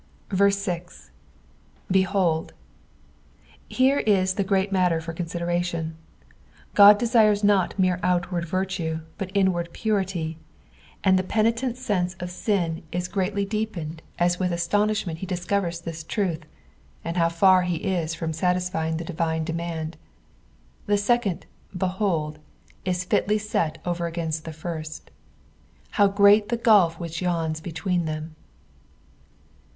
6. "Behold." Here is the great matter for consideration. Qod desires ni.t merely outward virtue, but inward purity, and the penitent's sense of ain ia v yv 452 XXPOSITIOITS OF THE PSALUS. greatly deepened u with satoniahment he diaeove.n this truth, and how far he is from Butixrying the divine demand. The second ''Behold" is fltlj set over against the first; how great the gulf which yawns between them!